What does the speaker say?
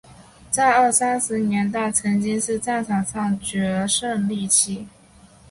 在二三十年代时期曾经是战场上的决胜利器。